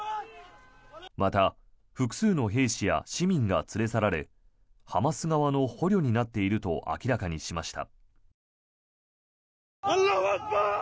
また、複数の兵士や市民が連れ去られハマス側の捕虜になっていると明らかにしました。